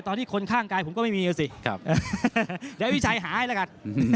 ตอนที่คนข้างกายผมก็ไม่มีแล้วสิครับเดี๋ยววิชัยหายแล้วกัน